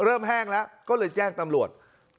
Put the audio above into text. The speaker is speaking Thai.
แห้งแล้วก็เลยแจ้งตำรวจ